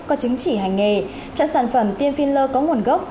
có chứng chỉ hành nghề chọn sản phẩm tiêm filler có nguồn gốc